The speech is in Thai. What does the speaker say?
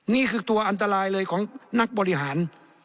นี่คือตัวอันตรายเลยของนักบริหาร